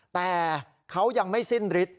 แต่เขายังไม่สิ้นฤทธิ